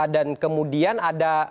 dan kemudian ada